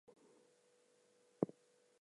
Now come and hear the letter.